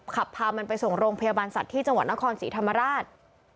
ขับพามันไปส่งโรงพยาบาลสัตว์ที่จังหวัดนครศรีธรรมราช